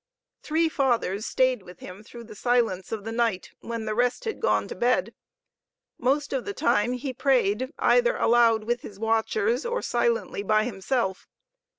Three Fathers stayed with him through the silence of the night, when the rest had gone to bed. Most of the time he prayed, either aloud with his watchers, or silently by himself.